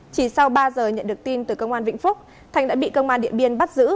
chỉ sau ba giờ nhận được tin từ công an vĩnh phúc thành đã bị công an điện biên bắt giữ